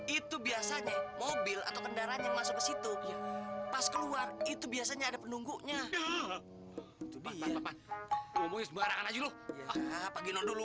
itu biasanya mobil atau kendaraan yang masuk ke situ pas keluar itu biasanya ada penunggunya